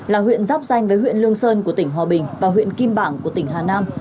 là huyện giáp danh với huyện lương sơn của tỉnh hòa bình và huyện kim bảng của tỉnh hà nam